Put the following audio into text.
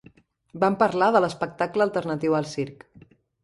Vam parlar de l'espectacle alternatiu al circ.